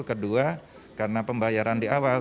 kedua karena pembayaran di awal